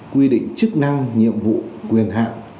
quy định chức năng nhiệm vụ quyền hạn